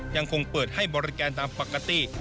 ยังคงเปิดให้บริการตามปกติ